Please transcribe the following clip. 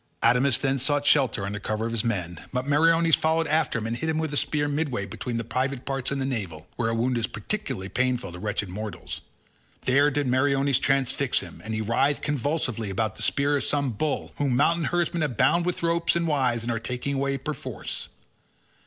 Adamas then sought shelter under cover of his men, but Meriones followed after and hit him with a spear midway between the private parts and the navel, where a wound is particularly painful to wretched mortals. There did Meriones transfix him, and he writhed convulsively about the spear as some bull whom mountain herdsmen have bound with ropes of withes and are taking away perforce.